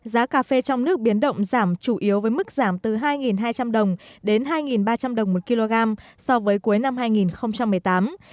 giá cà phê giảm chủ yếu với mức giảm từ hai hai trăm linh đồng đến hai ba trăm linh đồng một kg so với cuối năm hai nghìn một mươi tám